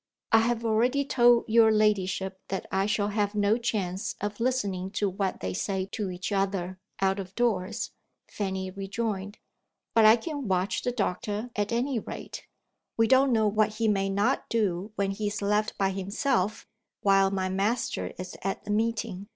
"I have already told your ladyship that I shall have no chance of listening to what they say to each other, out of doors," Fanny rejoined. "But I can watch the doctor at any rate. We don't know what he may not do when he is left by himself, while my master is at the meeting.